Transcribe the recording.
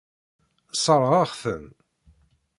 Sserɣeɣ-ten.